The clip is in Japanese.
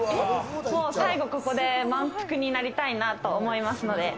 最後、ここで満腹になりたいなと思いますので。